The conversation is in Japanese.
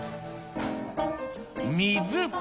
水。